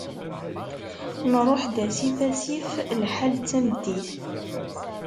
Nruḥ-d asif asif, lḥal d tameddit.